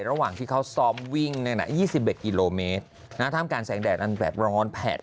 ระหว่างที่เขาซอมวิ่งนะ๒๑กิโลเมตรทำการแสงแดดนั่นแบบร้อนแผดเผามากเลย